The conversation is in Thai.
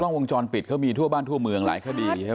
วงจรปิดเขามีทั่วบ้านทั่วเมืองหลายคดีใช่ไหม